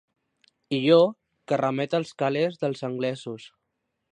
Ió que remet als calés dels anglesos.